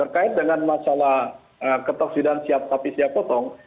terkait dengan masalah ketoksidan siap sapi siap potong